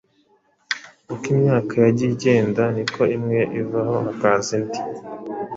Uko imyaka yagiye igenda ni ko imwe ivaho hakaza indi